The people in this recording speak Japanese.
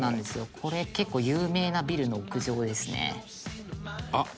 「これ結構有名なビルの屋上ですね」